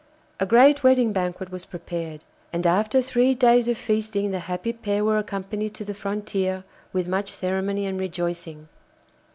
A great wedding banquet was prepared, and after three days of feasting the happy pair were accompanied to the frontier with much ceremony and rejoicing.